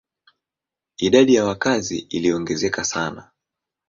Idadi ya wakazi iliongezeka sana.